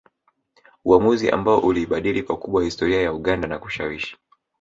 Uamuzi ambao uliibadili pakubwa historia ya Uganda na kushawishi